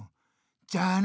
じゃあな！